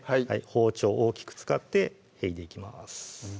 包丁を大きく使ってへいでいきます